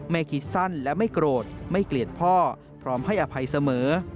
คิดสั้นและไม่โกรธไม่เกลียดพ่อพร้อมให้อภัยเสมอ